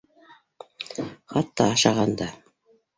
Хатта ашаған да